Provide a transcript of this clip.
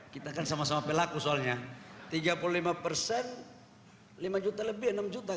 kita kan sama sama pelaku soalnya tiga puluh lima persen lima juta lebih enam juta